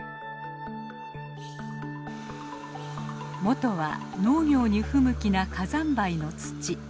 元は農業に不向きな火山灰の土。